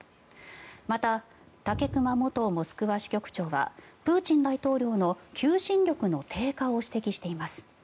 また、武隈元モスクワ支局長はプーチン大統領の求心力の低下を指摘しています。